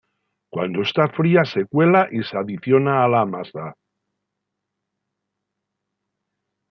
Cuando está fría se cuela y se adiciona a la masa.